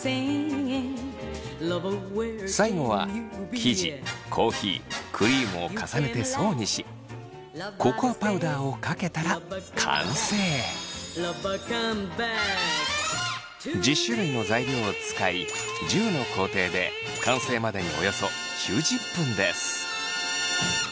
最後は生地コーヒークリームを重ねて層にしココアパウダーをかけたら１０種類の材料を使い１０の工程で完成までにおよそ９０分です。